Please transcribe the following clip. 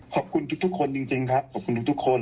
ขอบคุณทุกคนจริงครับขอบคุณทุกคน